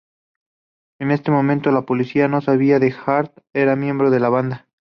En ese momento la policía no sabía que Hart era miembro de la banda.